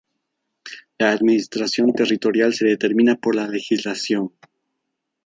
La administración territorial se determina por la legislación.